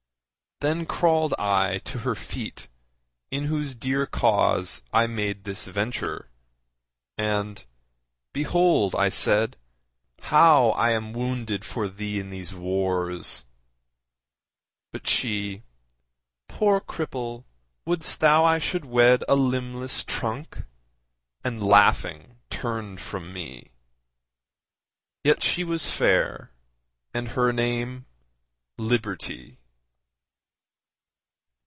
Then crawled I to her feet, in whose dear cause I made this venture, and 'Behold,' I said, 'How I am wounded for thee in these wars.' But she, 'Poor cripple, would'st thou I should wed A limbless trunk?' and laughing turned from me. Yet she was fair, and her name 'Liberty.'